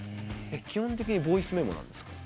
基本的にボイスメモなんですか？